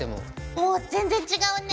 おっ全然違うね。